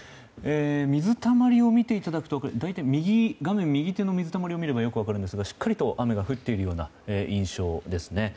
水たまりを見ていただくと画面右手の水たまりを見るとよく分かるんですが、しっかりと雨が降っているような印象ですね。